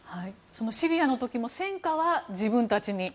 そのシリアの時も戦果は自分たちに。